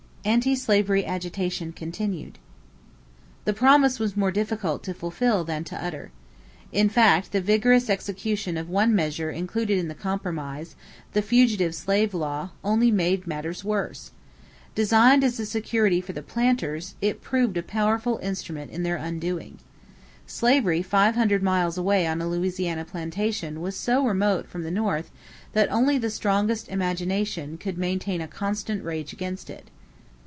=Anti slavery Agitation Continued.= The promise was more difficult to fulfill than to utter. In fact, the vigorous execution of one measure included in the Compromise the fugitive slave law only made matters worse. Designed as security for the planters, it proved a powerful instrument in their undoing. Slavery five hundred miles away on a Louisiana plantation was so remote from the North that only the strongest imagination could maintain a constant rage against it.